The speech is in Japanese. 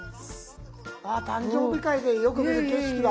あ誕生日会でよく見る景色だ。